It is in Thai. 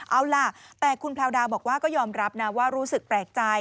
เอาล่ะแต่คุณแพลวดาบอกว่าก็ยอมรับนะว่ารู้สึกแปลกใจ